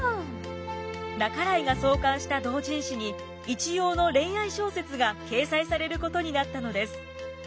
半井が創刊した同人誌に一葉の恋愛小説が掲載されることになったのです。